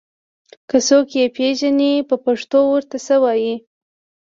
که څوک يې پېژني په پښتو ور ته څه وايي